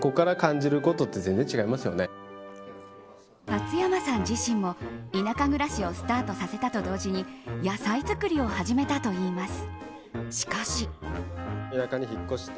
松山さん自身も田舎暮らしをスタートさせたと同時に野菜作りを始めたといいます。